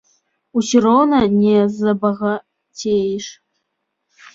Усё роўна не забагацееш.